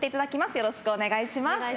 よろしくお願いします。